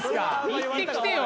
行ってきてよ。